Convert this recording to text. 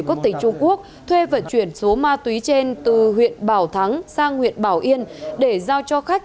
quốc tịch trung quốc thuê vận chuyển số ma túy trên từ huyện bảo thắng sang huyện bảo yên để giao cho khách